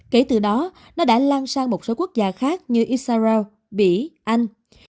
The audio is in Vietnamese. kể từ đó nó đã lan sang một số quốc gia khác như israel bỉ anh